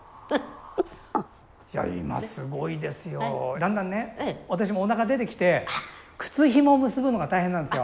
だんだんね私もおなか出てきて靴ひもを結ぶのが大変なんですよ。